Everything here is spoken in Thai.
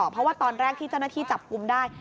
เพราะว่าตอนแรกที่เจ้าหน้าที่จับกลุ่มได้